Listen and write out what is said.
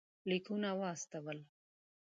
لیکونه واستول.